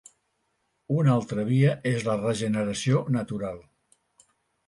Una altra via és la regeneració natural.